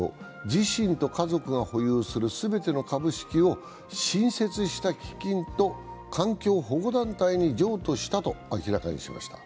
自身と家族が保有する全ての株式を新設した基金と環境保護団体に譲渡したと明らかにしました。